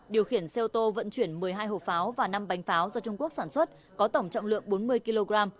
điều khiển xe ô tô vận chuyển một mươi hai hộp pháo và năm bánh pháo do trung quốc sản xuất có tổng trọng lượng bốn mươi kg